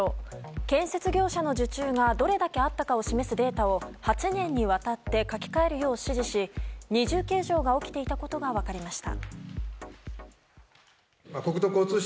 建設業者の受注がどれだけあったかを示すデータを８年にわたって書き換えるよう指示し二重計上が起きていたことが分かりました。